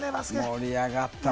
盛り上がった。